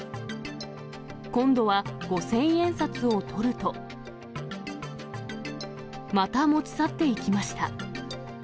今度は五千円札を取ると、また持ち去っていきました。